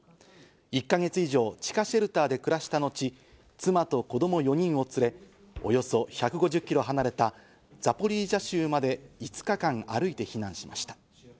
１か月以上、地下シェルターで暮らしたのち、妻と子供４人を連れ、およそ１５０キロ離れたザポリージャ州まで、５日間歩いて避難しました。